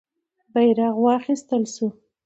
بیرغ واخیستل سو.